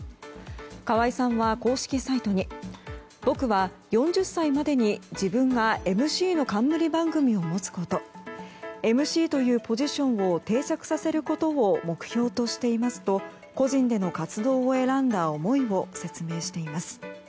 河合さんは公式サイトに僕は４０歳までに自分がＭＣの冠番組を持つことＭＣというポジションを定着させることを目標としていますと個人での活動を選んだ思いを説明しています。